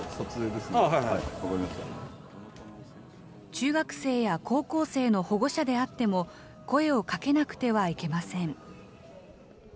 中学生や高校生の保護者であっても、声をかけなくてはいけません。